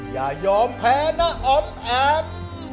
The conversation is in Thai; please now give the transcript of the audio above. อย่ายอมแพ้นะออมแอม